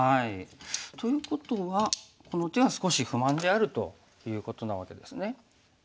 ということはこの手は少し不満であるということなわけですね。